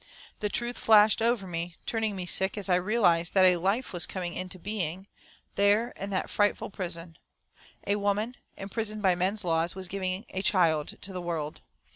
The truth flashed over me, turning me sick, as I realised that a life was coming into being, there in that frightful prison. A woman, imprisoned by men's laws, was giving a child to the world.